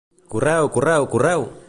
Correu, correu, correu!